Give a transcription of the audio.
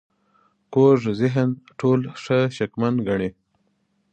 کوږ ذهن ټول ښه شکمن ګڼي